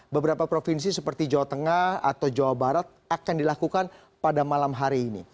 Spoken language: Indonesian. beberapa provinsi seperti jawa tengah atau jawa barat akan dilakukan pada malam hari ini